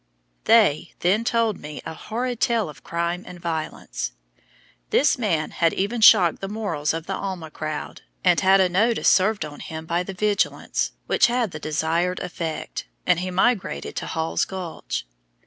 They then told me a horrid tale of crime and violence. This man had even shocked the morals of the Alma crowd, and had a notice served on him by the vigilants, which had the desired effect, and he migrated to Hall's Gulch.